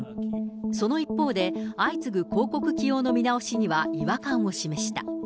その一方で、相次ぐ広告起用の見直しには違和感を示した。